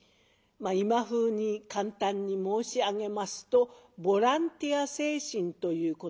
今風に簡単に申し上げますとボランティア精神ということなんだそうです。